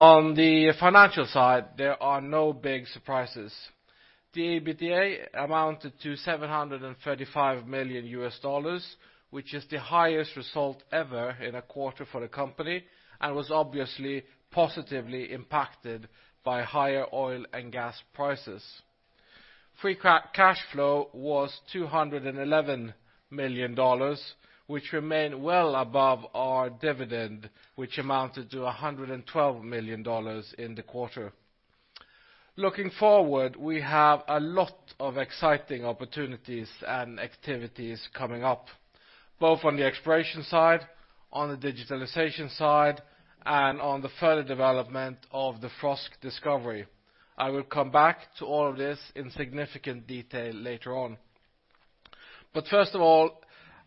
On the financial side, there are no big surprises. The EBITDA amounted to $735 million, which is the highest result ever in a quarter for the company and was obviously positively impacted by higher oil and gas prices. Free cash flow was $211 million, which remained well above our dividend, which amounted to $112 million in the quarter. Looking forward, we have a lot of exciting opportunities and activities coming up, both on the exploration side, on the digitalization side, and on the further development of the Frosk discovery. I will come back to all of this in significant detail later on. First of all,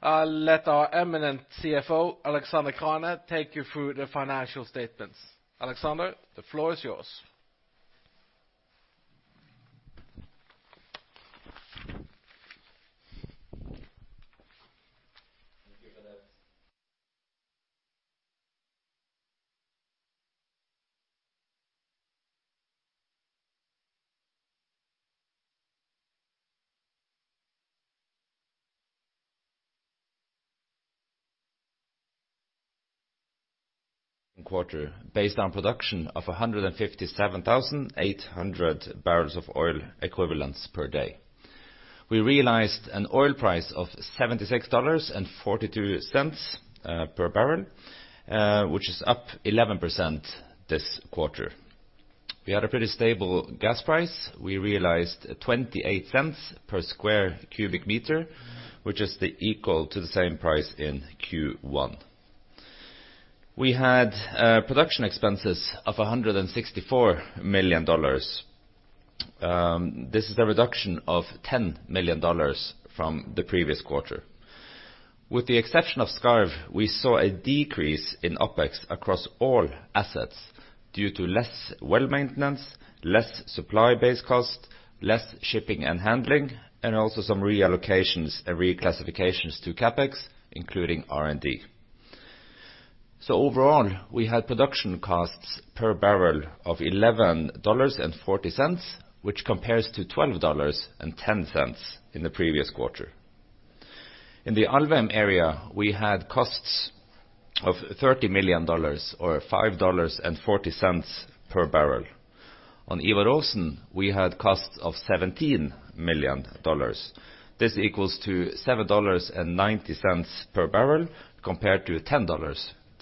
I'll let our eminent CFO, Alexander Krane, take you through the financial statements. Alexander, the floor is yours. Thank you, Karl. In quarter, based on production of 157,800 barrels of oil equivalents per day. We realized an oil price of $76.42 per barrel, which is up 11% this quarter. We had a pretty stable gas price. We realized $0.28 per square cubic meter, which is equal to the same price in Q1. We had production expenses of $164 million. This is a reduction of $10 million from the previous quarter. With the exception of Skarv, we saw a decrease in OpEx across all assets due to less well maintenance, less supply base cost, less shipping and handling, and also some reallocations and reclassifications to CapEx, including R&D. Overall, we had production costs per barrel of $11.40, which compares to $12.10 in the previous quarter. In the Alvheim area, we had costs of $30 million, or $5.40 per barrel. On Ivar Aasen, we had costs of $17 million. This equals to $7.90 per barrel compared to $10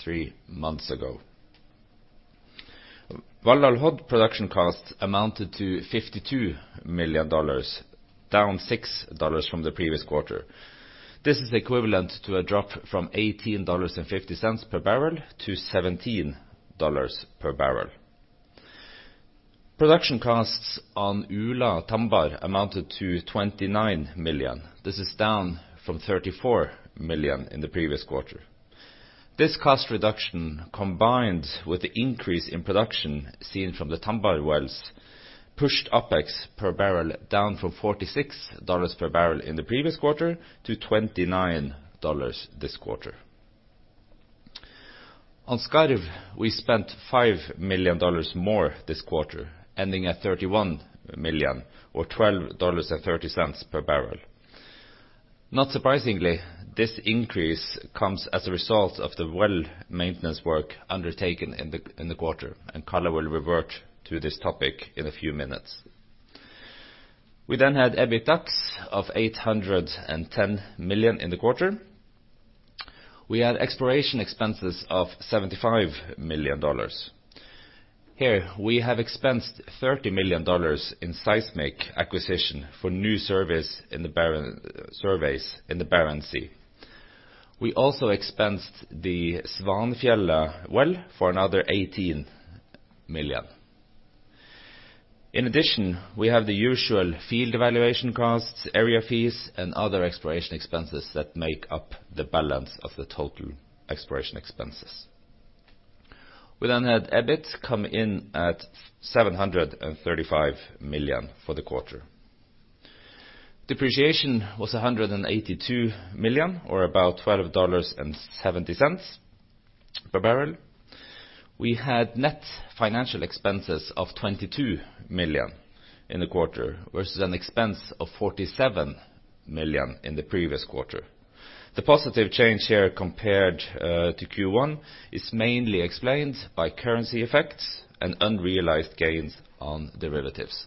three months ago. Valhall Hod production cost amounted to $52 million, down $6 from the previous quarter. This is equivalent to a drop from $18.50 per barrel to $17 per barrel. Production costs on Ula Tambar amounted to $29 million. This is down from $34 million in the previous quarter. This cost reduction, combined with the increase in production seen from the Tambar wells, pushed OpEx per barrel down from $46 per barrel in the previous quarter to $29 this quarter. On Skarv, we spent $5 million more this quarter, ending at $31 million or $12.30 per barrel. Not surprisingly, this increase comes as a result of the well maintenance work undertaken in the quarter, and Karl will revert to this topic in a few minutes. We had EBITDA of $810 million in the quarter. We had exploration expenses of $75 million. Here, we have expensed $30 million in seismic acquisition for new surveys in the Barents Sea. We also expensed the Svanefjell well for another $18 million. In addition, we have the usual field evaluation costs, area fees, and other exploration expenses that make up the balance of the total exploration expenses. We had EBIT come in at $735 million for the quarter. Depreciation was $182 million, or about $12.70 per barrel. We had net financial expenses of $22 million in the quarter versus an expense of $47 million in the previous quarter. The positive change here compared to Q1 is mainly explained by currency effects and unrealized gains on derivatives.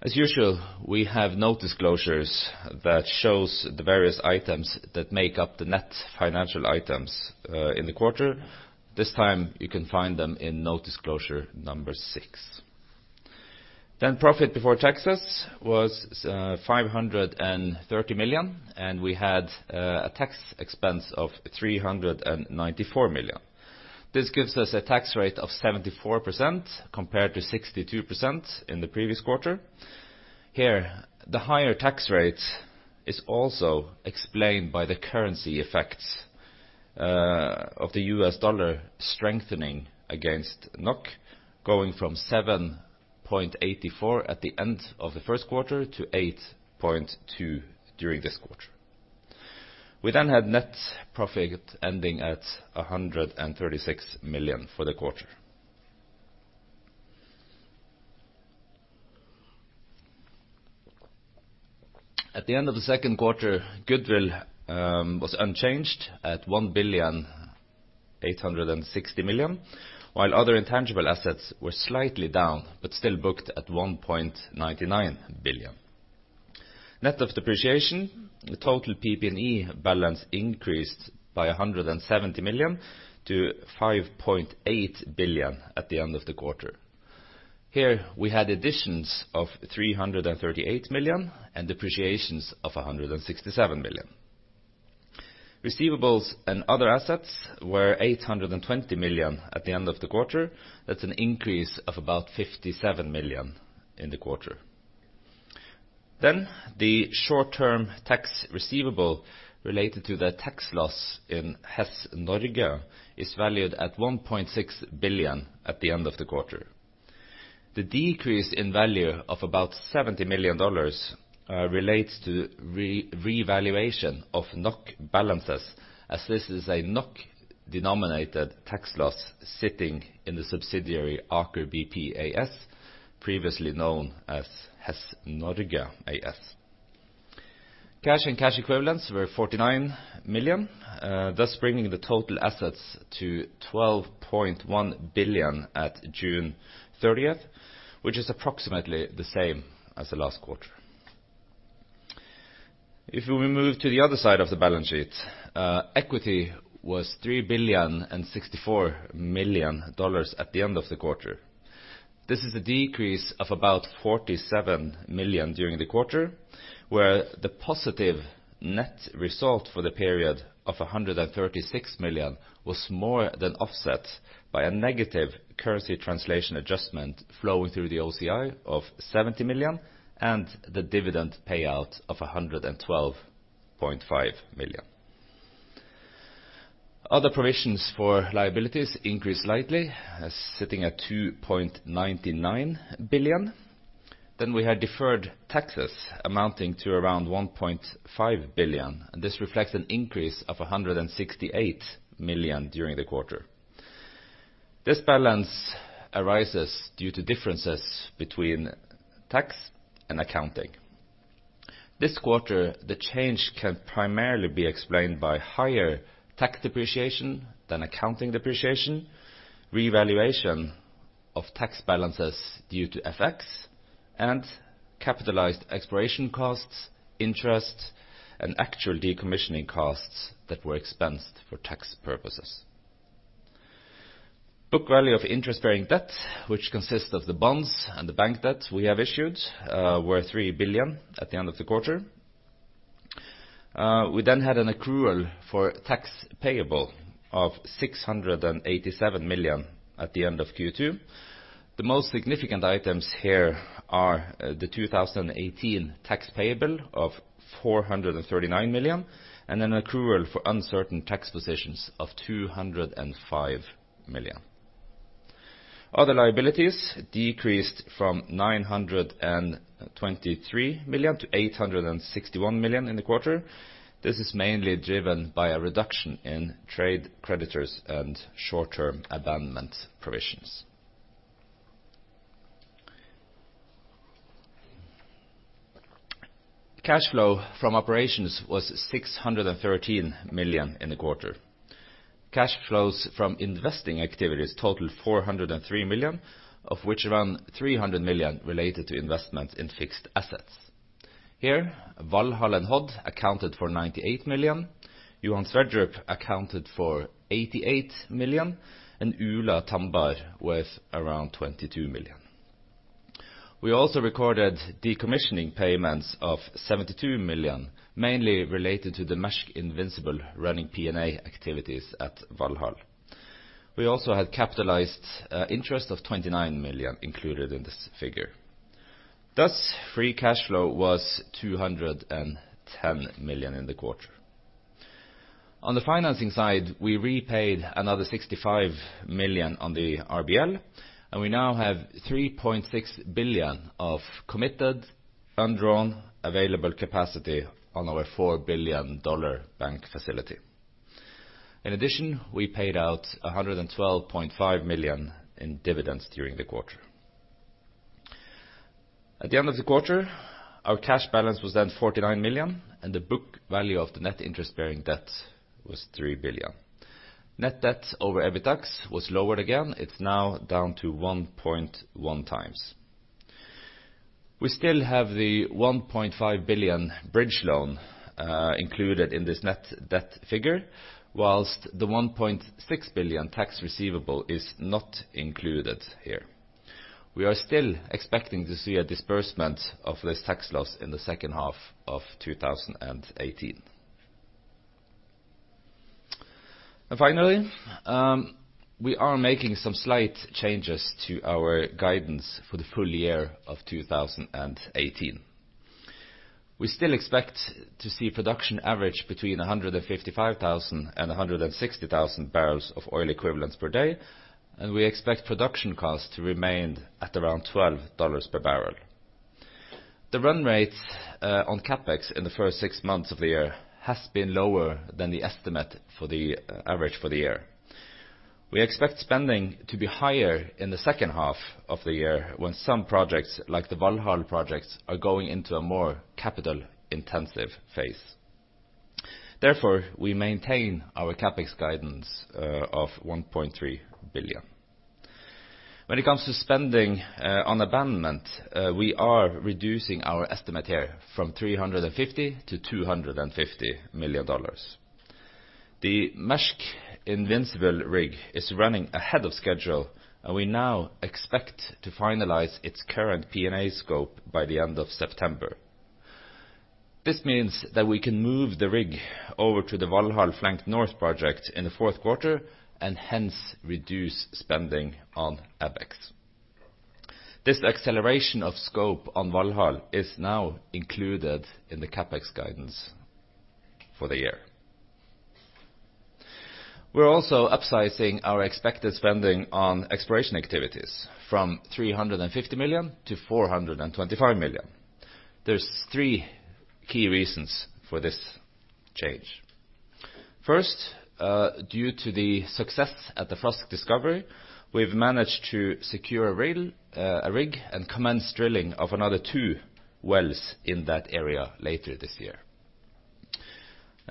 As usual, we have note disclosures that shows the various items that make up the net financial items in the quarter. Profit before taxes was 530 million, and we had a tax expense of 394 million. This gives us a tax rate of 74% compared to 62% in the previous quarter. Here, the higher tax rate is also explained by the currency effects of the U.S. dollar strengthening against NOK, going from 7.84 at the end of the first quarter to 8.2 during this quarter. We had net profit ending at 136 million for the quarter. At the end of the second quarter, goodwill was unchanged at 1.86 billion, while other intangible assets were slightly down, but still booked at 1.99 billion. Net of depreciation, the total PP&E balance increased by 170 million to 5.8 billion at the end of the quarter. Here, we had additions of 338 million and depreciations of 167 million. Receivables and other assets were 820 million at the end of the quarter. That's an increase of about 57 million in the quarter. The short-term tax receivable related to the tax loss in Hess Norge is valued at 1.6 billion at the end of the quarter. The decrease in value of about NOK 70 million relates to revaluation of NOK balances, as this is a NOK-denominated tax loss sitting in the subsidiary Aker BP AS, previously known as Hess Norge AS. Cash and cash equivalents were 49 million, thus bringing the total assets to 12.1 billion at June 30th, which is approximately the same as the last quarter. If we move to the other side of the balance sheet, equity was 3.064 billion at the end of the quarter. This is a decrease of about 47 million during the quarter, where the positive net result for the period of 136 million was more than offset by a negative currency translation adjustment flowing through the OCI of 70 million and the dividend payout of 112.5 million. Other provisions for liabilities increased slightly as sitting at 2.99 billion. We had deferred taxes amounting to around 1.5 billion, and this reflects an increase of 168 million during the quarter. This balance arises due to differences between tax and accounting. This quarter, the change can primarily be explained by higher tax depreciation than accounting depreciation, revaluation of tax balances due to FX, and capitalized exploration costs, interest, and actual decommissioning costs that were expensed for tax purposes. Book value of interest-bearing debt, which consists of the bonds and the bank debt we have issued, were 3 billion at the end of the quarter. We had an accrual for tax payable of 687 million at the end of Q2. The most significant items here are the 2018 tax payable of 439 million and an accrual for uncertain tax positions of 205 million. Other liabilities decreased from 923 million to 861 million in the quarter. This is mainly driven by a reduction in trade creditors and short-term abandonment provisions. Cash flow from operations was 613 million in the quarter. Cash flows from investing activities totaled 403 million, of which around 300 million related to investments in fixed assets. Here, Valhall and Hod accounted for 98 million, Johan Sverdrup accounted for 88 million, and Ula Tambar was around 22 million. We also recorded decommissioning payments of 72 million, mainly related to the Maersk Invincible running P&A activities at Valhall. We also had capitalized interest of 29 million included in this figure. Thus, free cash flow was 210 million in the quarter. On the financing side, we repaid another 65 million on the RBL, and we now have $3.6 billion of committed undrawn available capacity on our $4 billion bank facility. In addition, we paid out 112.5 million in dividends during the quarter. At the end of the quarter, our cash balance was then 49 million, and the book value of the net interest-bearing debt was 3 billion. Net debt over EBITDA was lowered again. It's now down to 1.1 times. We still have the 1.5 billion bridge loan included in this net debt figure, whilst the 1.6 billion tax receivable is not included here. We are still expecting to see a disbursement of this tax loss in the second half of 2018. Finally, we are making some slight changes to our guidance for the full year of 2018. We still expect to see production average between 155,000 and 160,000 barrels of oil equivalents per day, and we expect production cost to remain at around $12 per barrel. The run rates on CapEx in the first six months of the year has been lower than the estimate for the average for the year. We expect spending to be higher in the second half of the year when some projects, like the Valhall projects, are going into a more capital-intensive phase. Therefore, we maintain our CapEx guidance of 1.3 billion. When it comes to spending on abandonment, we are reducing our estimate here from 350 million to NOK 250 million. The Maersk Invincible rig is running ahead of schedule, and we now expect to finalize its current P&A scope by the end of September. This means that we can move the rig over to the Valhall Flank North project in the fourth quarter, and hence reduce spending on ABEX. This acceleration of scope on Valhall is now included in the CapEx guidance for the year. We're also upsizing our expected spending on exploration activities from 350 million to 425 million. There's three key reasons for this change. First, due to the success at the Frosk discovery, we've managed to secure a rig and commence drilling of another two wells in that area later this year.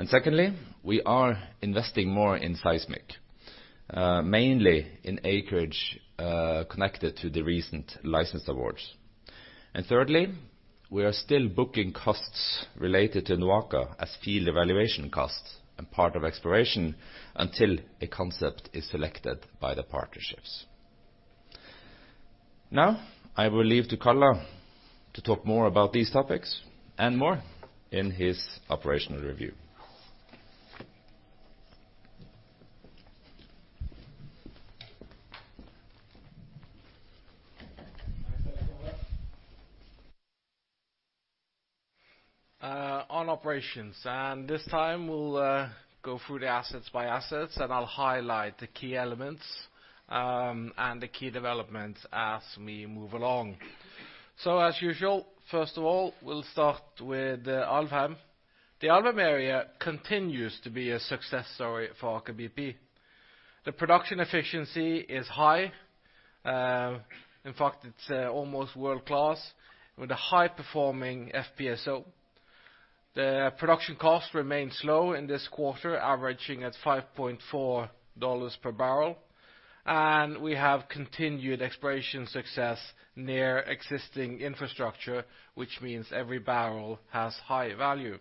Secondly, we are investing more in seismic, mainly in acreage connected to the recent license awards. Thirdly, we are still booking costs related to NOAKA as field evaluation costs and part of exploration until a concept is selected by the partnerships. Now, I will leave to Karl to talk more about these topics and more in his operational review. On operations. This time, we will go through the assets by assets, and I will highlight the key elements and the key developments as we move along. As usual, first of all, we will start with the Alvheim. The Alvheim area continues to be a success story for Aker BP. The production efficiency is high. In fact, it is almost world-class with a high-performing FPSO. The production cost remains low in this quarter, averaging at $5.4 per barrel, and we have continued exploration success near existing infrastructure, which means every barrel has high value.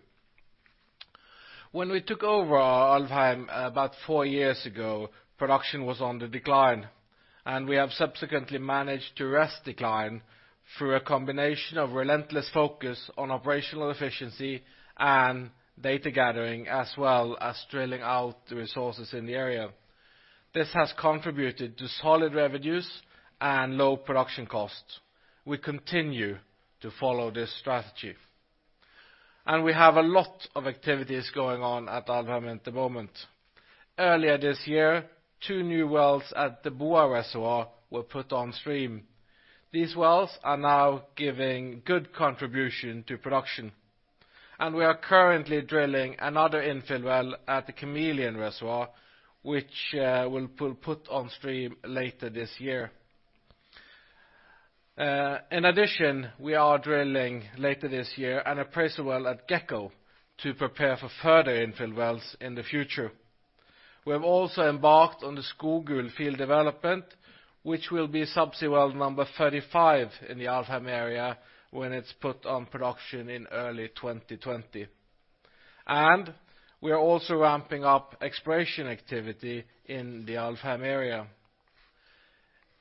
When we took over Alvheim about four years ago, production was on the decline, and we have subsequently managed to arrest decline through a combination of relentless focus on operational efficiency and data gathering, as well as drilling out resources in the area. This has contributed to solid revenues and low production costs. We continue to follow this strategy. We have a lot of activities going on at Alvheim at the moment. Earlier this year, two new wells at the Boa reservoir were put on stream. These wells are now giving good contribution to production, and we are currently drilling another infill well at the Kameleon reservoir, which we will put on stream later this year. In addition, we are drilling later this year an appraisal well at Gekko to prepare for further infill wells in the future. We have also embarked on the Skogul field development, which will be subsea well number 35 in the Alvheim area when it is put on production in early 2020. We are also ramping up exploration activity in the Alvheim area.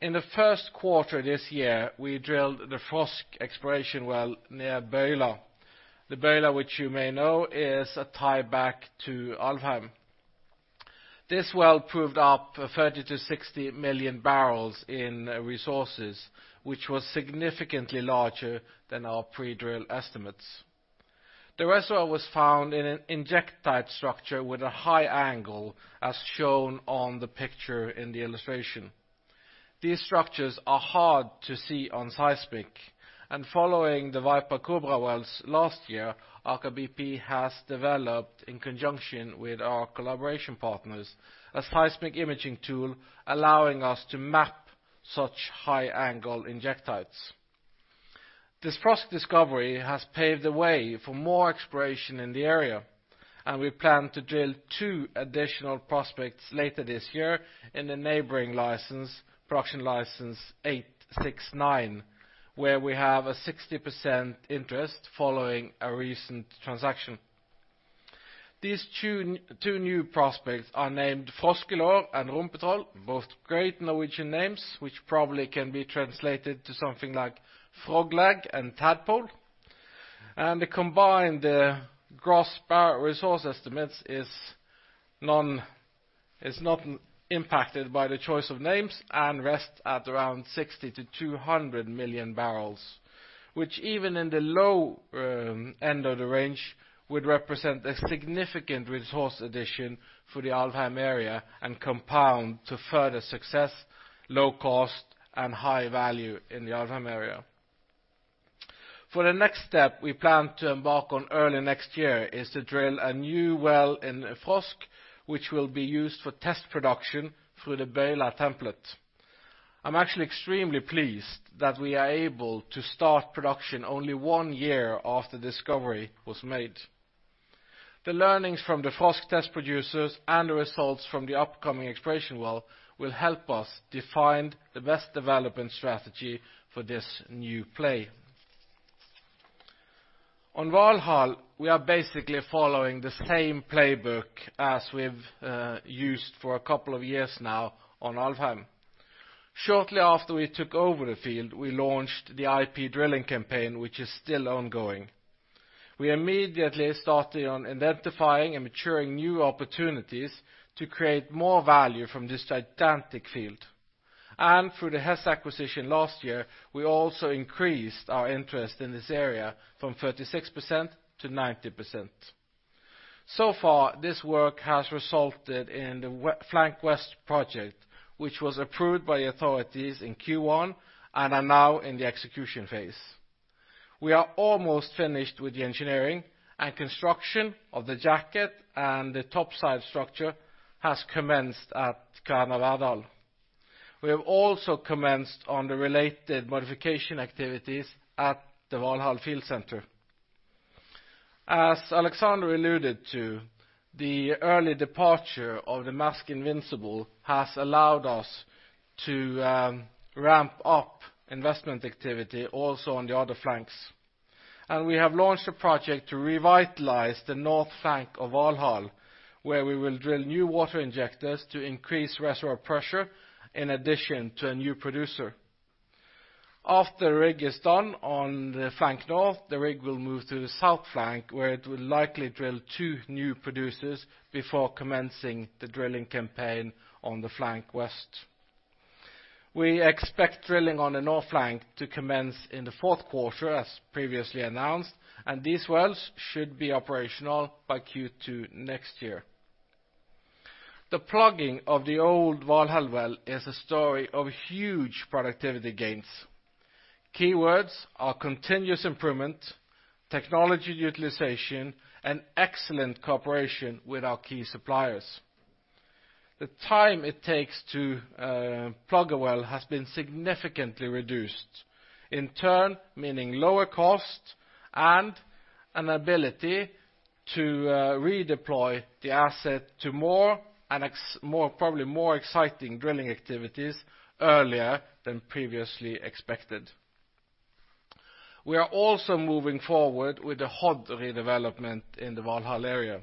In the first quarter this year, we drilled the Frosk exploration well near Bøyla. The Bøyla, which you may know, is a tie-back to Alvheim. This well proved up 30-60 million barrels in resources, which was significantly larger than our pre-drill estimates. The reservoir was found in an injectite structure with a high angle, as shown on the picture in the illustration. These structures are hard to see on seismic. Following the Viper-Kobra wells last year, Aker BP has developed in conjunction with our collaboration partners, a seismic imaging tool allowing us to map such high-angle injectites. This Frosk discovery has paved the way for more exploration in the area, and we plan to drill two additional prospects later this year in the neighboring license, Production license 869, where we have a 60% interest following a recent transaction. These two new prospects are named Froskelår and Rumpetroll, both great Norwegian names, which probably can be translated to something like frog leg and tadpole. The combined gross barrel resource estimates is not impacted by the choice of names and rest at around 60-200 million barrels, which even in the low end of the range, would represent a significant resource addition for the Alvheim area and compound to further success, low cost, and high value in the Alvheim area. For the next step, we plan to embark on early next year is to drill a new well in Frosk, which will be used for test production through the Bøyla template. I am actually extremely pleased that we are able to start production only one year after discovery was made. The learnings from the Frosk test producers and the results from the upcoming exploration well will help us define the best development strategy for this new play. On Valhall, we are basically following the same playbook as we've used for a couple of years now on Alvheim. Shortly after we took over the field, we launched the IP drilling campaign, which is still ongoing. We immediately started on identifying and maturing new opportunities to create more value from this gigantic field. Through the Hess acquisition last year, we also increased our interest in this area from 36% to 90%. This work has resulted in the Flank West project, which was approved by the authorities in Q1 and are now in the execution phase. We are almost finished with the engineering and construction of the jacket and the topside structure has commenced at Kværner Arendal. We have also commenced on the related modification activities at the Valhall field center. As Alexander alluded to, the early departure of the Maersk Invincible has allowed us to ramp up investment activity also on the other flanks. We have launched a project to revitalize the North flank of Valhall, where we will drill new water injectors to increase reservoir pressure in addition to a new producer. After the rig is done on the Flank North, the rig will move to the south flank, where it will likely drill two new producers before commencing the drilling campaign on the Flank West. We expect drilling on the north flank to commence in the fourth quarter as previously announced, and these wells should be operational by Q2 next year. The plugging of the old Valhall well is a story of huge productivity gains. Keywords are continuous improvement, technology utilization, and excellent cooperation with our key suppliers. The time it takes to plug a well has been significantly reduced, in turn, meaning lower cost and an ability to redeploy the asset to probably more exciting drilling activities earlier than previously expected. We are also moving forward with the Hod redevelopment in the Valhall area.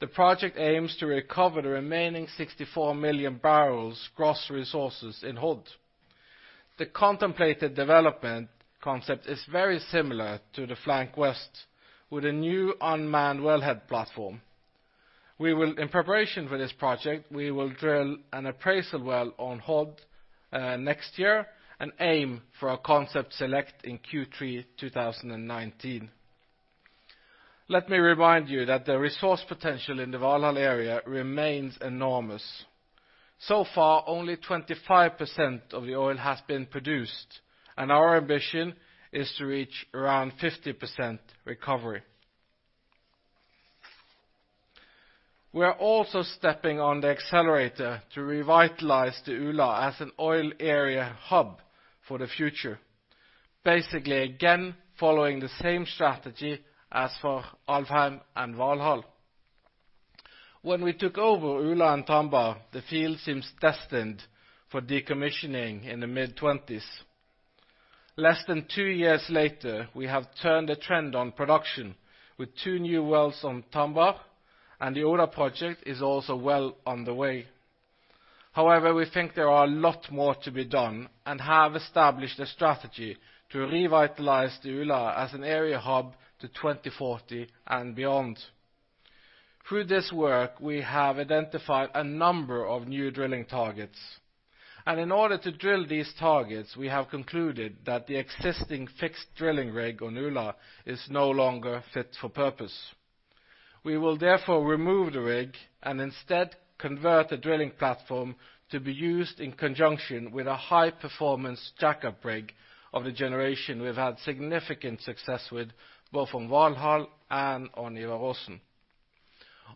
The project aims to recover the remaining 64 million barrels gross resources in Hod. The contemplated development concept is very similar to the Flank West with a new unmanned wellhead platform. In preparation for this project, we will drill an appraisal well on Hod next year and aim for a concept select in Q3 2019. Let me remind you that the resource potential in the Valhall area remains enormous. Only 25% of the oil has been produced, and our ambition is to reach around 50% recovery. We are also stepping on the accelerator to revitalize the Ula as an oil area hub for the future. Basically, again, following the same strategy as for Alvheim and Valhall. When we took over Ula and Tambar, the field seems destined for decommissioning in the mid-20s. Less than two years later, we have turned the trend on production with two new wells on Tambar, and the Ula project is also well underway. However, we think there are a lot more to be done and have established a strategy to revitalize the Ula as an area hub to 2040 and beyond. Through this work, we have identified a number of new drilling targets. In order to drill these targets, we have concluded that the existing fixed drilling rig on Ula is no longer fit for purpose. We will therefore remove the rig and instead convert the drilling platform to be used in conjunction with a high-performance jackup rig of the generation we've had significant success with, both on Valhall and on Ivar Aasen.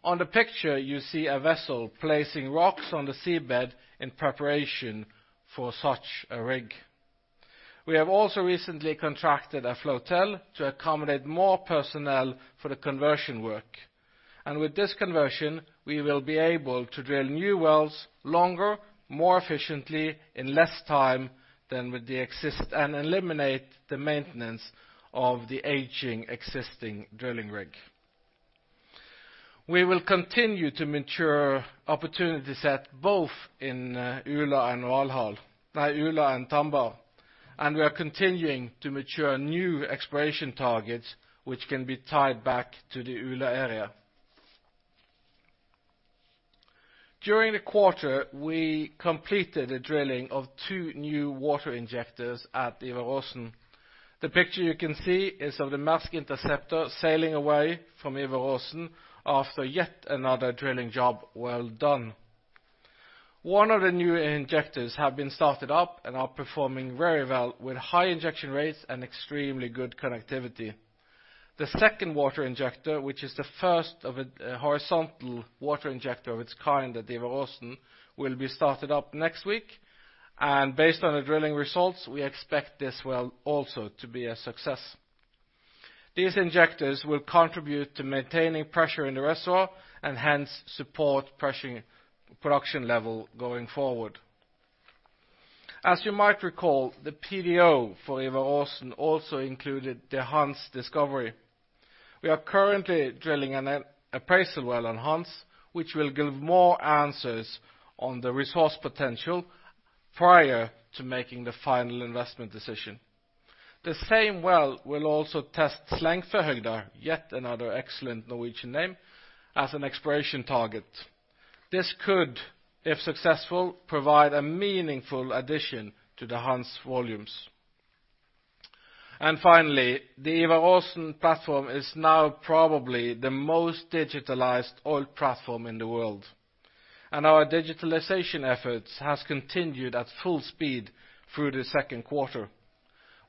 On the picture, you see a vessel placing rocks on the seabed in preparation for such a rig. We have also recently contracted a flotel to accommodate more personnel for the conversion work. With this conversion, we will be able to drill new wells longer, more efficiently, in less time and eliminate the maintenance of the aging existing drilling rig. We will continue to mature opportunities at both in Ula and Tambar, and we are continuing to mature new exploration targets which can be tied back to the Ula area. During the quarter, we completed the drilling of two new water injectors at Ivar Aasen. The picture you can see is of the Maersk Interceptor sailing away from Ivar Aasen after yet another drilling job well done. One of the new injectors have been started up and are performing very well with high injection rates and extremely good connectivity. The second water injector, which is the first of its kind horizontal water injector of its kind at Ivar Aasen, will be started up next week. Based on the drilling results, we expect this well also to be a success. These injectors will contribute to maintaining pressure in the reservoir and hence support production level going forward. As you might recall, the PDO for Ivar Aasen also included the Hanz discovery. We are currently drilling an appraisal well on Hanz, which will give more answers on the resource potential prior to making the final investment decision. The same well will also test Lengfeldhøgda, yet another excellent Norwegian name, as an exploration target. This could, if successful, provide a meaningful addition to the Hanz volumes. Finally, the Ivar Aasen platform is now probably the most digitalized oil platform in the world. Our digitalization efforts have continued at full speed through the second quarter.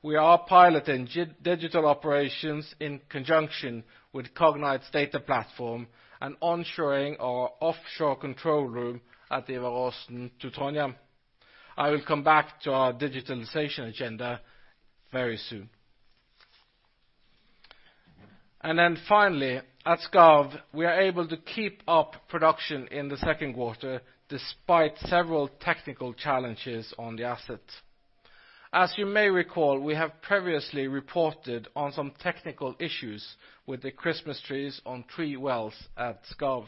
We are piloting digital operations in conjunction with Cognite's data platform and onshoring our offshore control room at Ivar Aasen to Trondheim. I will come back to our digitalization agenda very soon. Finally, at Skarv, we are able to keep up production in the second quarter despite several technical challenges on the asset. As you may recall, we have previously reported on some technical issues with the Christmas trees on three wells at Skarv.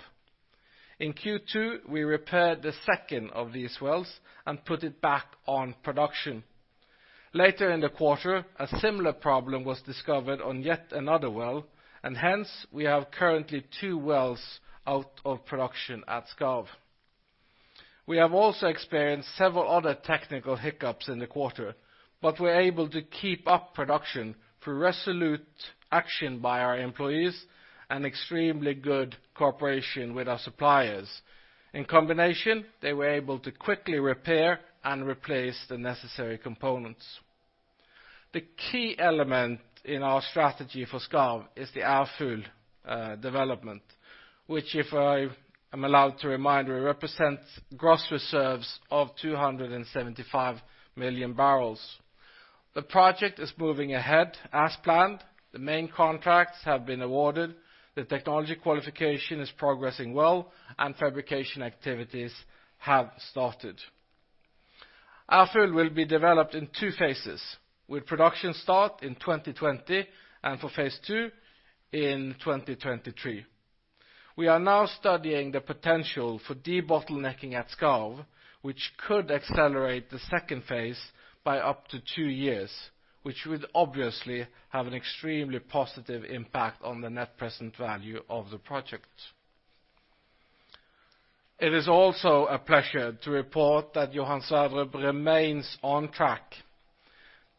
In Q2, we repaired the second of these wells and put it back on production. Later in the quarter, a similar problem was discovered on yet another well, and hence we have currently two wells out of production at Skarv. We have also experienced several other technical hiccups in the quarter, but we're able to keep up production through resolute action by our employees and extremely good cooperation with our suppliers. In combination, they were able to quickly repair and replace the necessary components. The key element in our strategy for Skarv is the Alvheim development, which if I am allowed to remind, represents gross reserves of 275 million barrels. The project is moving ahead as planned. The main contracts have been awarded. The technology qualification is progressing well and fabrication activities have started. Alvheim will be developed in two phases, with production start in 2020 and for phase 2 in 2023. We are now studying the potential for debottlenecking at Skarv, which could accelerate the second phase by up to two years, which would obviously have an extremely positive impact on the net present value of the project. It is also a pleasure to report that Johan Sverdrup remains on track.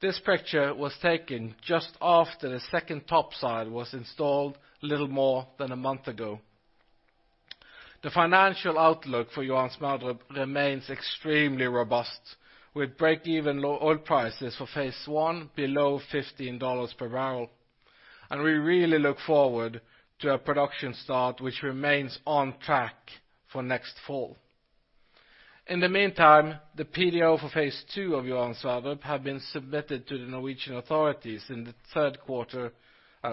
This picture was taken just after the second topside was installed little more than a month ago. The financial outlook for Johan Sverdrup remains extremely robust, with break-even oil prices for phase one below $15 per barrel. We really look forward to a production start, which remains on track for next fall. In the meantime, the PDO for phase 2 of Johan Sverdrup have been submitted to the Norwegian authorities and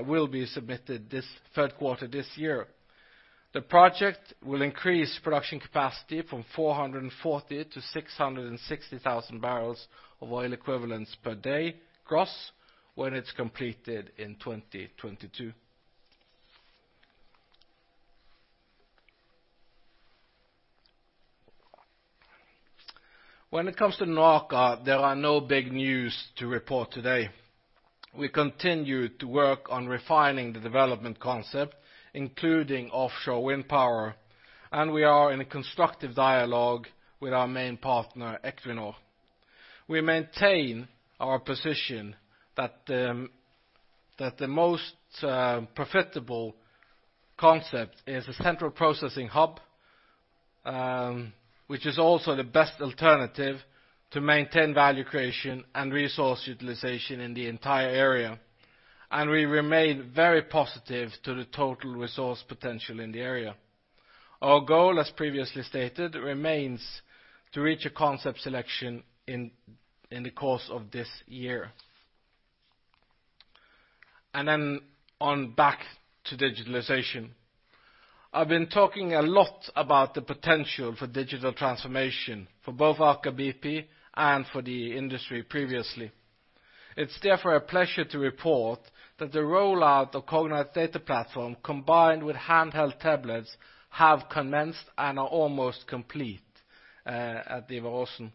will be submitted this third quarter this year. The project will increase production capacity from 440,000 to 660,000 barrels of oil equivalents per day gross when it's completed in 2022. When it comes to NOAKA, there are no big news to report today. We continue to work on refining the development concept, including offshore wind power, and we are in a constructive dialogue with our main partner, Equinor. We maintain our position that the most profitable concept is a central processing hub, which is also the best alternative to maintain value creation and resource utilization in the entire area. We remain very positive to the total resource potential in the area. Our goal, as previously stated, remains to reach a concept selection in the course of this year. Then on back to digitalization. I've been talking a lot about the potential for digital transformation for both Aker BP and for the industry previously. It's therefore a pleasure to report that the rollout of Cognite's data platform combined with handheld tablets have commenced and are almost complete at Ivar Aasen.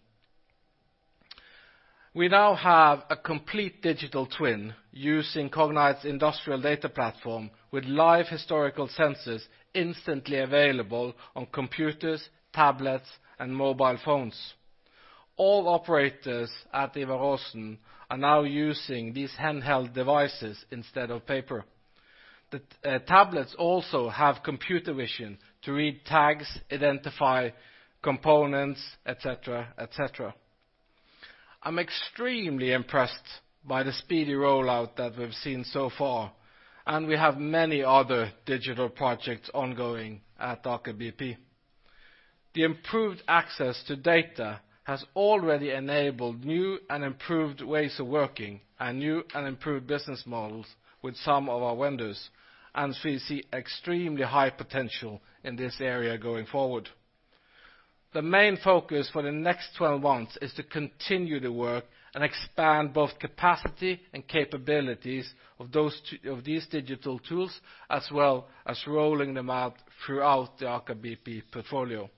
We now have a complete digital twin using Cognite's industrial data platform with live historical sensors instantly available on computers, tablets, and mobile phones. All operators at Ivar Aasen are now using these handheld devices instead of paper. The tablets also have computer vision to read tags, identify components, et cetera. I'm extremely impressed by the speedy rollout that we've seen so far, and we have many other digital projects ongoing at Aker BP. The improved access to data has already enabled new and improved ways of working, and new and improved business models with some of our vendors, and we see extremely high potential in this area going forward. The main focus for the next 12 months is to continue to work and expand both capacity and capabilities of these digital tools, as well as rolling them out throughout the Aker BP portfolio.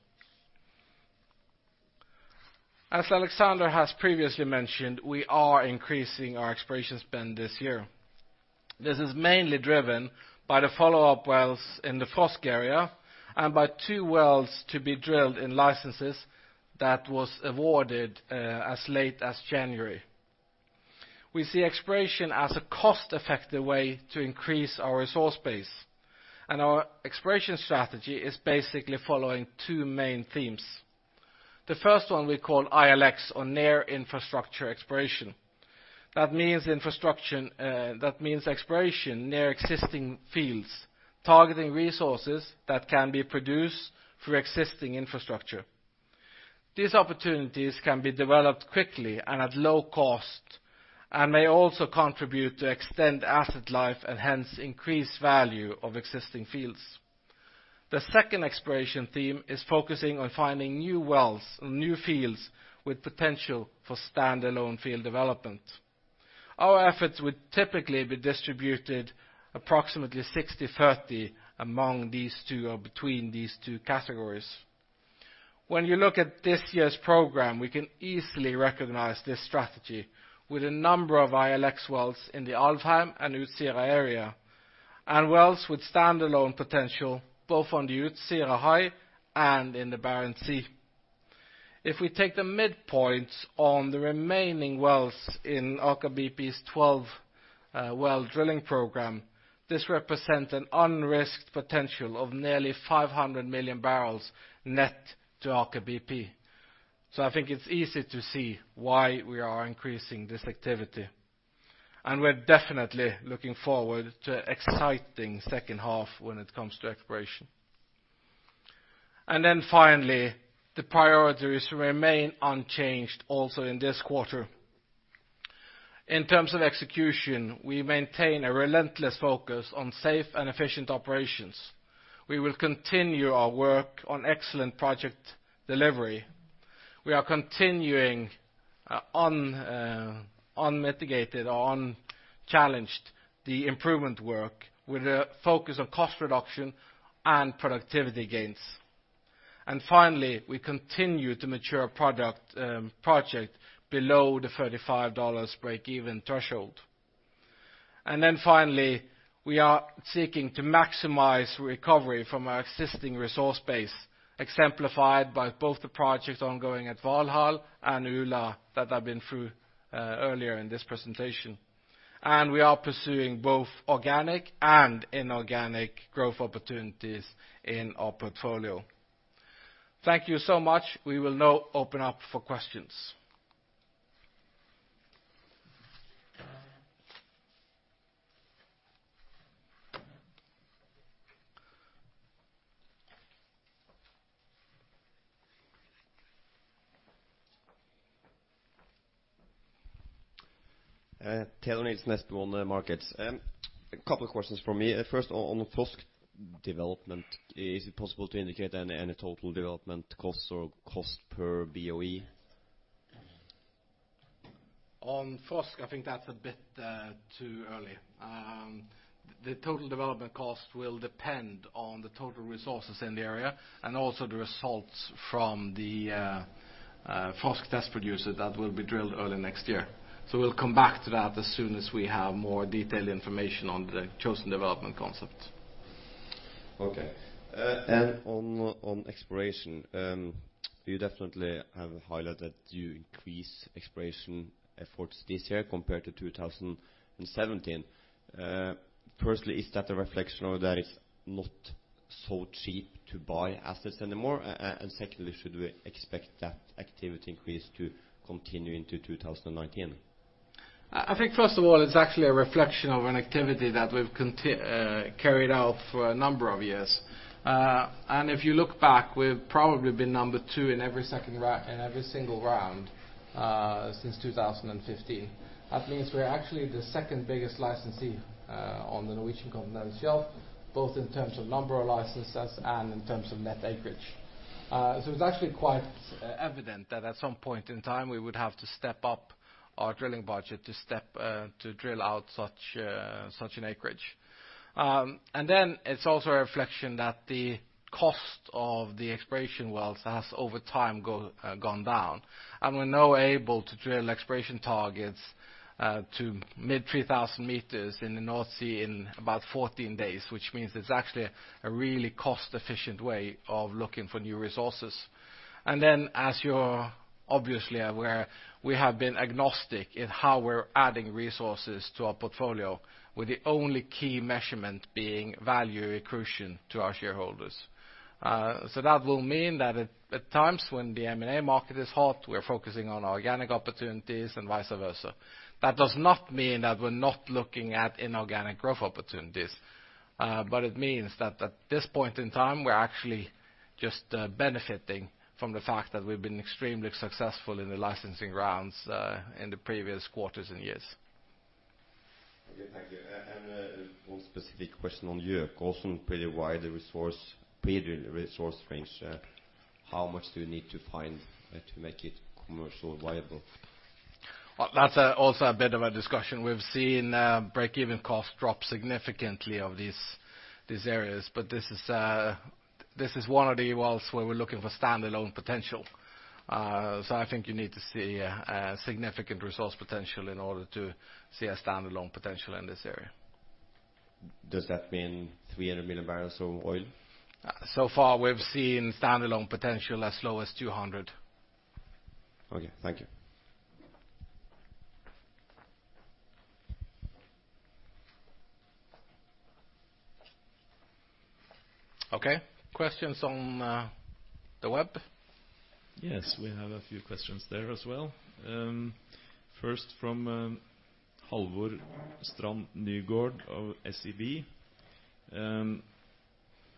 As Alexander has previously mentioned, we are increasing our exploration spend this year. This is mainly driven by the follow-up wells in the Frosk area and by two wells to be drilled in licenses that was awarded as late as January. We see exploration as a cost-effective way to increase our resource base, and our exploration strategy is basically following two main themes. The first one we call ILX, or Near Infrastructure Exploration. That means exploration near existing fields, targeting resources that can be produced through existing infrastructure. These opportunities can be developed quickly and at low cost, and may also contribute to extend asset life and hence increase value of existing fields. The second exploration theme is focusing on finding new wells or new fields with potential for standalone field development. Our efforts would typically be distributed approximately 60/30 among these two, or between these two categories. When you look at this year's program, we can easily recognize this strategy with a number of ILX wells in the Alvheim and Utsira area, and wells with standalone potential both on Utsira High and in the Barents Sea. If we take the midpoints on the remaining wells in Aker BP's 12 well drilling program, this represents an unrisked potential of nearly 500 million barrels net to Aker BP. I think it's easy to see why we are increasing this activity, and we're definitely looking forward to exciting second half when it comes to exploration. Finally, the priorities remain unchanged also in this quarter. In terms of execution, we maintain a relentless focus on safe and efficient operations. We will continue our work on excellent project delivery. We are continuing unchallenged the improvement work with the focus on cost reduction and productivity gains. Finally, we continue to mature project below the NOK 35 break-even threshold. Finally, we are seeking to maximize recovery from our existing resource base, exemplified by both the projects ongoing at Valhall and Yme that I've been through earlier in this presentation. We are pursuing both organic and inorganic growth opportunities in our portfolio. Thank you so much. We will now open up for questions. Teodor Sveen-Nilsen, SpareBank 1 Markets. A couple questions from me. First, on Frosk development, is it possible to indicate any total development costs or cost per BOE? On Frosk, I think that's a bit too early. The total development cost will depend on the total resources in the area and also the results from the Frosk test producer that will be drilled early next year. We'll come back to that as soon as we have more detailed information on the chosen development concept. Okay. On exploration, you definitely have highlighted you increase exploration efforts this year compared to 2017. Firstly, is that a reflection of that it's not so cheap to buy assets anymore? Secondly, should we expect that activity increase to continue into 2019? I think first of all, it's actually a reflection of an activity that we've carried out for a number of years. If you look back, we've probably been number 2 in every single round since 2015. That means we're actually the second biggest licensee on the Norwegian Continental Shelf, both in terms of number of licenses and in terms of net acreage. It's actually quite evident that at some point in time, we would have to step up our drilling budget to drill out such an acreage. Then it's also a reflection that the cost of the exploration wells has over time gone down. We're now able to drill exploration targets to mid 3,000 meters in the North Sea in about 14 days, which means it's actually a really cost-efficient way of looking for new resources. Then as you are obviously aware, we have been agnostic in how we're adding resources to our portfolio with the only key measurement being value accretion to our shareholders. That will mean that at times when the M&A market is hot, we're focusing on organic opportunities and vice versa. That does not mean that we're not looking at inorganic growth opportunities. It means that at this point in time, we're actually just benefiting from the fact that we've been extremely successful in the licensing rounds in the previous quarters and years. Okay, thank you. One specific question on Gjøkåsen. Also pretty wide resource range. How much do you need to find to make it commercially viable? Well, that's also a bit of a discussion. We've seen break-even cost drop significantly of these areas, but this is one of the wells where we're looking for standalone potential. I think you need to see a significant resource potential in order to see a standalone potential in this area. Does that mean 300 million barrels of oil? So far, we've seen standalone potential as low as 200. Okay. Thank you. Okay. Questions on the web? Yes, we have a few questions there as well. First from Halvor Strand Nygård of SEB.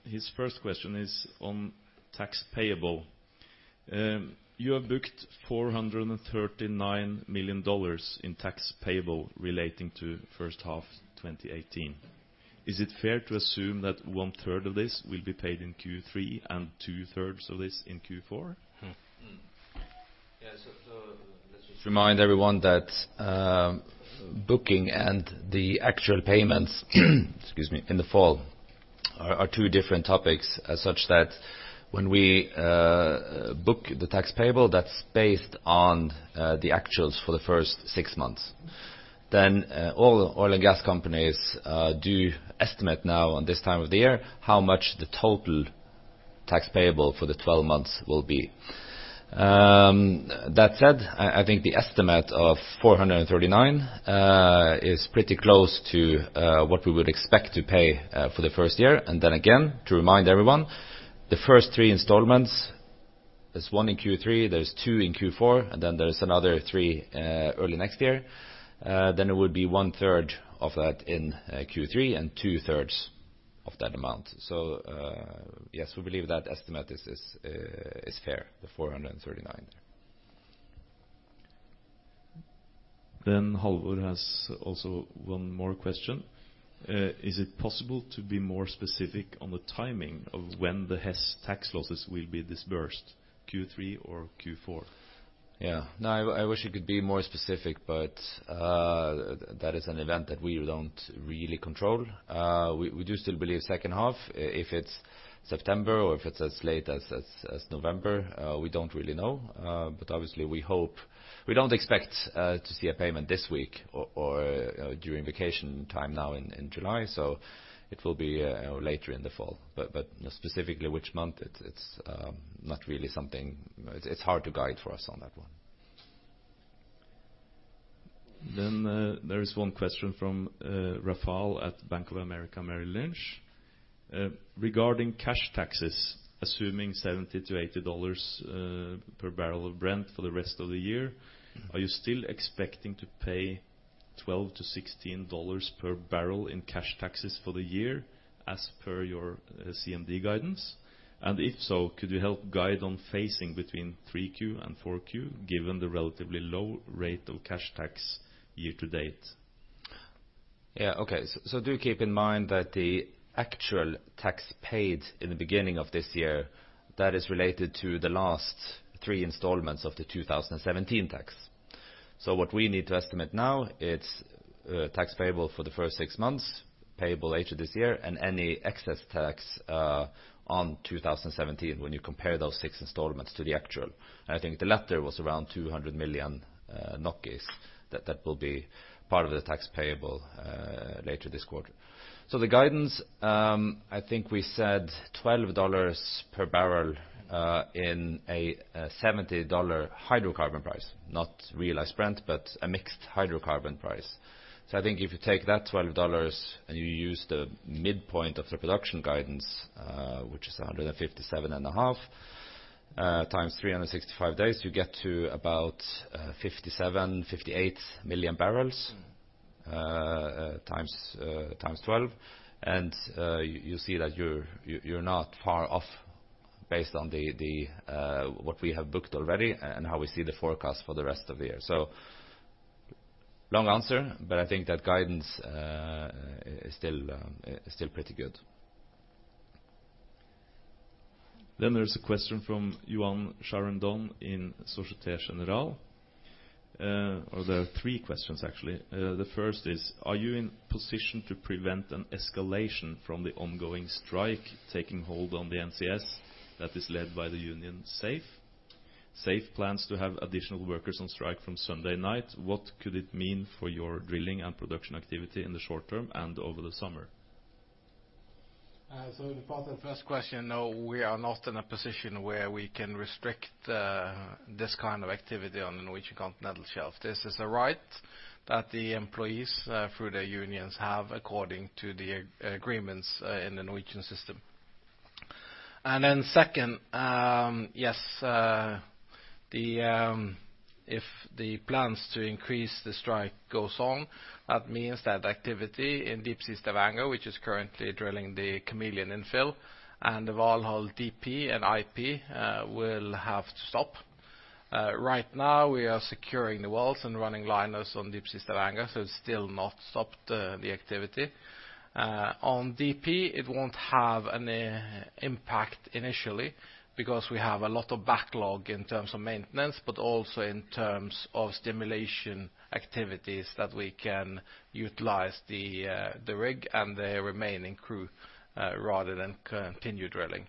His first question is on tax payable. You have booked NOK 439 million in tax payable relating to first half 2018. Is it fair to assume that one third of this will be paid in Q3 and two thirds of this in Q4? Yeah, let's just remind everyone that booking and the actual payments, excuse me, in the fall are two different topics such that when we book the tax payable, that is based on the actuals for the first six months. All oil and gas companies do estimate now on this time of the year how much the total tax payable for the 12 months will be. That said, I think the estimate of 439 million is pretty close to what we would expect to pay for the first year. Again, to remind everyone, the first three installments, there is one in Q3, there are two in Q4, and then there is another three early next year. It would be one third of that in Q3 and two thirds of that amount. Yes, we believe that estimate is fair, the 439 million. Halvor has also one more question. Is it possible to be more specific on the timing of when the Hess tax losses will be disbursed? Q3 or Q4? I wish I could be more specific, that is an event that we don't really control. We do still believe second half. If it's September or if it's as late as November we don't really know. Obviously we don't expect to see a payment this week or during vacation time now in July. It will be later in the fall. Specifically which month, it's hard to guide for us on that one. There is one question from Rafal at Bank of America, Merrill Lynch. Regarding cash taxes, assuming $70 to $80 per barrel of Brent for the rest of the year- Are you still expecting to pay $12 to $16 per barrel in cash taxes for the year as per your CMD guidance? If so, could you help guide on phasing between 3Q and 4Q, given the relatively low rate of cash tax year to date? Yeah. Okay. Do keep in mind that the actual tax paid in the beginning of this year, that is related to the last three installments of the 2017 tax. What we need to estimate now, it's tax payable for the first six months, payable later this year, and any excess tax on 2017 when you compare those six installments to the actual. I think the latter was around 200 million, that will be part of the tax payable later this quarter. The guidance, I think we said $12 per barrel in a $70 hydrocarbon price, not realized Brent, but a mixed hydrocarbon price. I think if you take that $12 and you use the midpoint of the production guidance, which is 157.5, times 365 days, you get to about 57, 58 million barrels times 12. You see that you're not far off based on what we have booked already and how we see the forecast for the rest of the year. Long answer, but I think that guidance is still pretty good. There is a question from Yoann Chardan in Societe Generale. There are three questions, actually. The first is, are you in position to prevent an escalation from the ongoing strike taking hold on the NCS that is led by the union SAFE? SAFE plans to have additional workers on strike from Sunday night. What could it mean for your drilling and production activity in the short term and over the summer? The part of the first question, no, we are not in a position where we can restrict this kind of activity on the Norwegian Continental Shelf. This is a right that the employees, through their unions, have according to the agreements in the Norwegian system. Second, yes, if the plans to increase the strike goes on, that means that activity in Deepsea Stavanger, which is currently drilling the Kameleon infill and the Valhall DP and IP will have to stop. Right now, we are securing the wells and running liners on Deepsea Stavanger, so it's still not stopped the activity. On DP, it won't have any impact initially because we have a lot of backlog in terms of maintenance, but also in terms of stimulation activities that we can utilize the rig and the remaining crew, rather than continue drilling.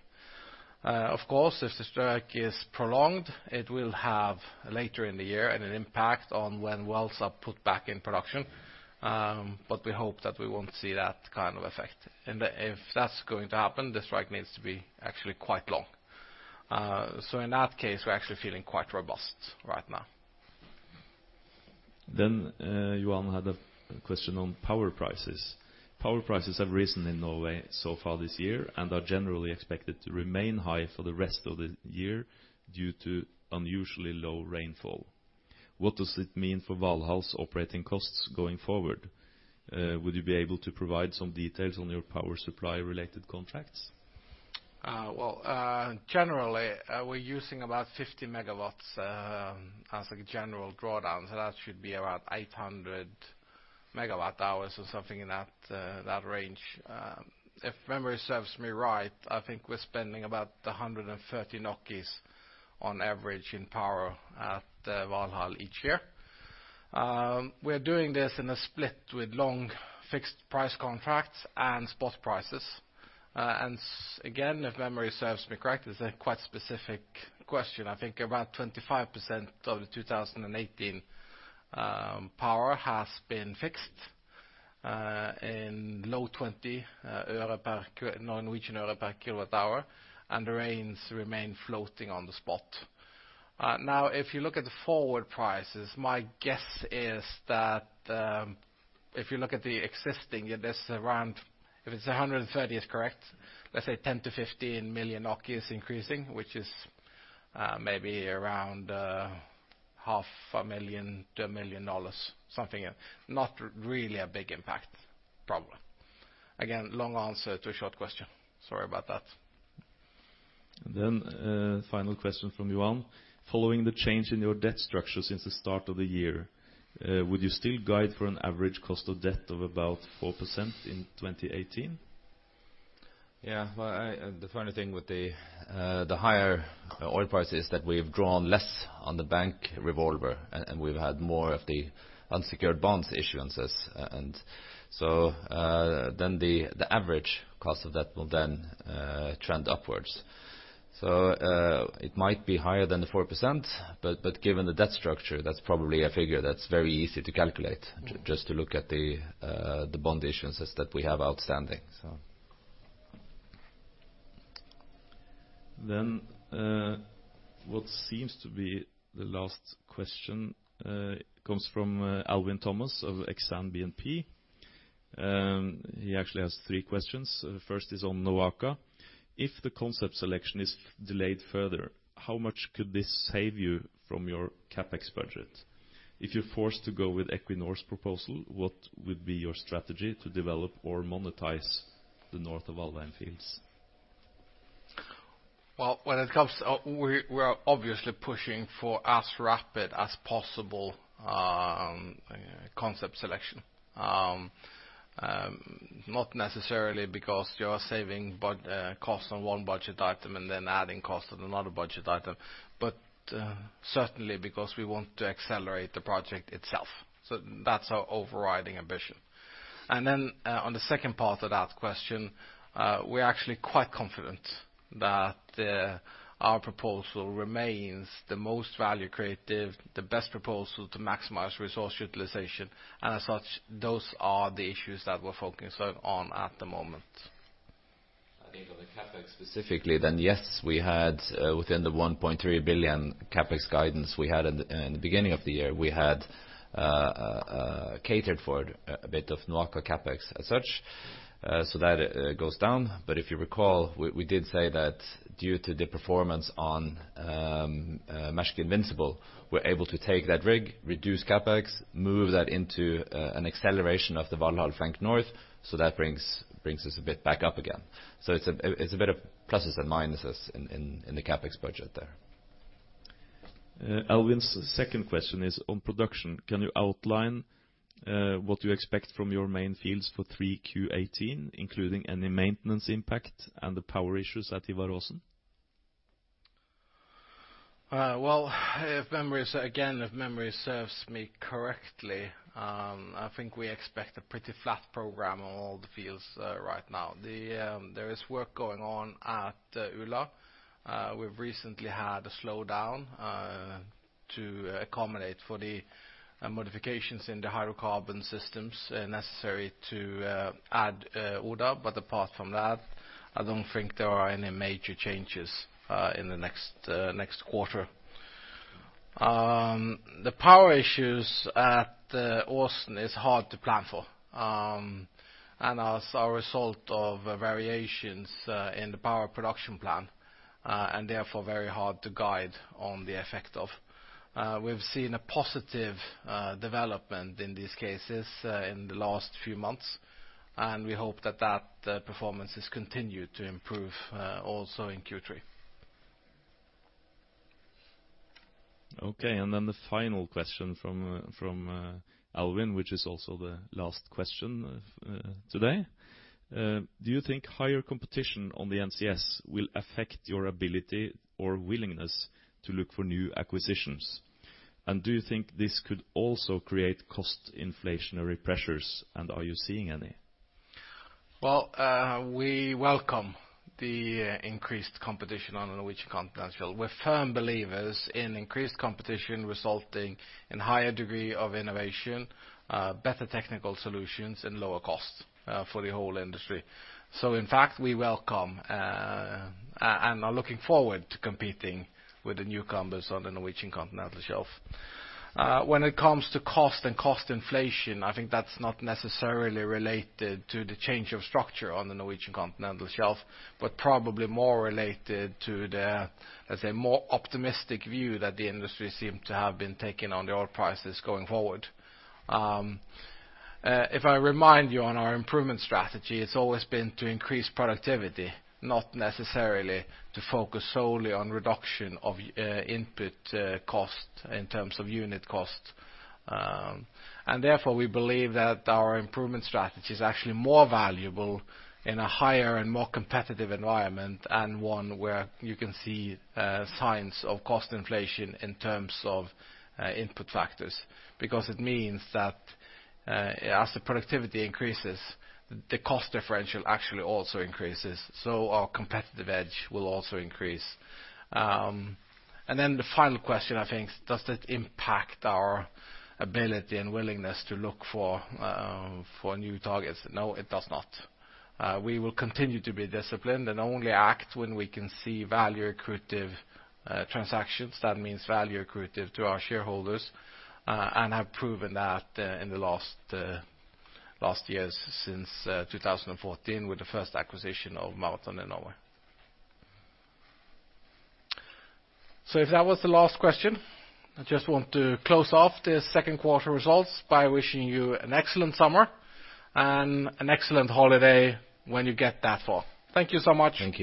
Of course, if the strike is prolonged, it will have, later in the year, an impact on when wells are put back in production. We hope that we won't see that kind of effect. If that's going to happen, the strike needs to be actually quite long. In that case, we're actually feeling quite robust right now. Yoann had a question on power prices. Power prices have risen in Norway so far this year and are generally expected to remain high for the rest of the year due to unusually low rainfall. What does it mean for Valhall's operating costs going forward? Would you be able to provide some details on your power supply-related contracts? Well, generally, we're using about 50 MW as a general drawdown, so that should be around 800 MWh or something in that range. If memory serves me right, I think we're spending about 130 on average in power at Valhall each year. We are doing this in a split with long fixed price contracts and spot prices. Again, if memory serves me correct, it's a quite specific question. I think about 25% of the 2018 power has been fixed in low NOK 0.20 per kWh, and the rates remain floating on the spot. Now, if you look at the forward prices, my guess is that if you look at the existing, if 130 is correct, let's say 10 million-15 million increasing, which is maybe around half a million to a million dollars, something. Not really a big impact, probably. Long answer to a short question. Sorry about that. Final question from Yoann. Following the change in your debt structure since the start of the year, would you still guide for an average cost of debt of about 4% in 2018? Yeah. Well, the funny thing with the higher oil price is that we've drawn less on the bank revolver, and we've had more of the unsecured bonds issuances. The average cost of debt will then trend upwards. It might be higher than the 4%, but given the debt structure, that's probably a figure that's very easy to calculate, just to look at the bond issuances that we have outstanding so. What seems to be the last question comes from Alvin Thomas of Exane BNP. He actually has three questions. The first is on NOAKA. If the concept selection is delayed further, how much could this save you from your CapEx budget? If you're forced to go with Equinor's proposal, what would be your strategy to develop or monetize the North of Alvheim fields? Well, we are obviously pushing for as rapid as possible concept selection. Not necessarily because you are saving cost on one budget item and then adding cost on another budget item, but certainly because we want to accelerate the project itself. That's our overriding ambition. On the second part of that question, we're actually quite confident that our proposal remains the most value creative, the best proposal to maximize resource utilization. As such, those are the issues that we're focusing on at the moment. I think on the CapEx specifically, yes, within the 1.3 billion CapEx guidance we had in the beginning of the year, we had catered for a bit of NOAKA CapEx as such, that goes down. If you recall, we did say that due to the performance on Maersk Invincible, we're able to take that rig, reduce CapEx, move that into an acceleration of the Valhall Flank North. That brings us a bit back up again. It's a bit of pluses and minuses in the CapEx budget there. Alvin's second question is on production. Can you outline what you expect from your main fields for 3Q18, including any maintenance impact and the power issues at Ivar Aasen? Well, again, if memory serves me correctly, I think we expect a pretty flat program on all the fields right now. There is work going on at Ula. We've recently had a slowdown to accommodate for the modifications in the hydrocarbon systems necessary to add Oda. Apart from that, I don't think there are any major changes in the next quarter. The power issues at Aasen is hard to plan for, as a result of variations in the power production plan, therefore very hard to guide on the effect of. We've seen a positive development in these cases in the last few months, and we hope that that performance is continued to improve also in Q3. Okay, then the final question from Alvin, which is also the last question today. Do you think higher competition on the NCS will affect your ability or willingness to look for new acquisitions? Do you think this could also create cost inflationary pressures, and are you seeing any? Well, we welcome the increased competition on the Norwegian Continental Shelf. We're firm believers in increased competition resulting in higher degree of innovation, better technical solutions and lower costs for the whole industry. In fact, we welcome and are looking forward to competing with the newcomers on the Norwegian Continental Shelf. When it comes to cost and cost inflation, I think that's not necessarily related to the change of structure on the Norwegian Continental Shelf, but probably more related to the, let's say, more optimistic view that the industry seemed to have been taking on the oil prices going forward. If I remind you on our improvement strategy, it's always been to increase productivity, not necessarily to focus solely on reduction of input cost in terms of unit cost. Therefore, we believe that our improvement strategy is actually more valuable in a higher and more competitive environment, and one where you can see signs of cost inflation in terms of input factors. It means that as the productivity increases, the cost differential actually also increases, our competitive edge will also increase. Then the final question, I think, does it impact our ability and willingness to look for new targets? No, it does not. We will continue to be disciplined and only act when we can see value-accretive transactions. That means value accretive to our shareholders, and have proven that in the last years since 2014 with the first acquisition of Marathon in Norway. If that was the last question, I just want to close off the second quarter results by wishing you an excellent summer and an excellent holiday when you get that far. Thank you so much. Thank you